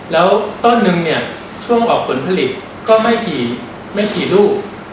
แล้วต้นนึงเนี่ยช่วงออกผลผลิตก็ไม่กี่ลูก